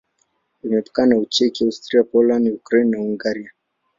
Imepakana na Ucheki, Austria, Poland, Ukraine na Hungaria.